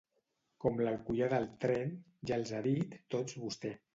Com l'alcoià del tren: ja els ha dit tots vostè.